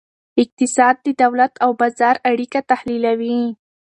اقتصاد د دولت او بازار اړیکه تحلیلوي.